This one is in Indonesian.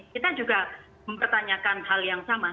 kita juga mempertanyakan hal yang sama